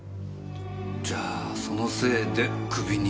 じゃあそのせいでクビに？